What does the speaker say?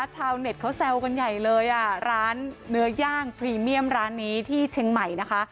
ชาวเน็ตเขาแซวกันใหญ่เลยอ่ะร้านเนื้อย่างพรีเมียมร้านนี้ที่เชียงใหม่นะคะ